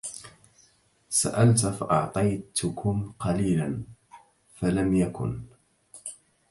سألت فأعطيتم قليلا فلم يكن